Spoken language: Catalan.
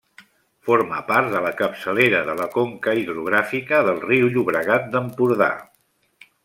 Forma part de la capçalera de la conca hidrogràfica del riu Llobregat d'Empordà.